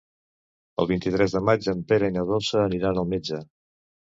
El vint-i-tres de maig en Pere i na Dolça aniran al metge.